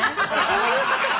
そういうことか。